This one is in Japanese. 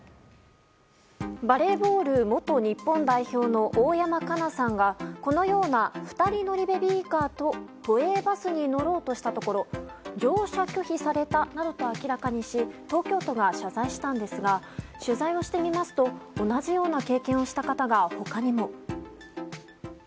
バレーボール元日本代表の大山加奈さんがこのような２人乗りベビーカーと都営バスに乗ろうとしたところ乗車拒否されたなどと明らかにし東京都が謝罪したんですが取材をしてみますと同じような経験をした方が他にも。